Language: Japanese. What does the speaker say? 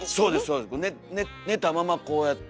そうです寝たままこうやって。